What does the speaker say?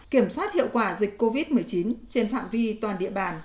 kiểm soát hiệu quả dịch covid một mươi chín trên phạm vi toàn địa bàn